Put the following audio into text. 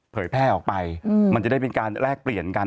แพร่ออกไปมันจะได้เป็นการแลกเปลี่ยนกัน